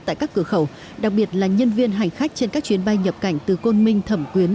tại các cửa khẩu đặc biệt là nhân viên hành khách trên các chuyến bay nhập cảnh từ côn minh thẩm quyến